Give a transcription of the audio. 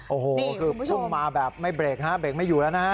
โอ้โหคือพุ่งมาแบบไม่เบรกฮะเบรกไม่อยู่แล้วนะฮะ